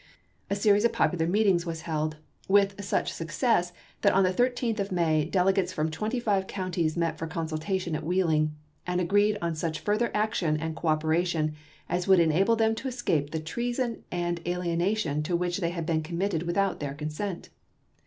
A series of popular meetings was held, with such success that on the 13th of May delegates from twenty five counties met for consultation at Wheeling, and agreed on such further action and cooperation as would enable them to escape the treason and alienation to which they had been committed without their consent.